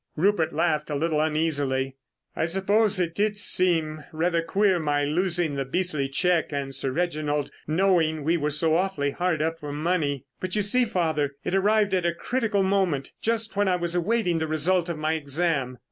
Rupert laughed a little uneasily. "I suppose it did seem rather queer my losing the beastly cheque and Sir Reginald knowing we were so awfully hard up for money. But you see, father, it arrived at a critical moment, just when I was awaiting the result of my exam.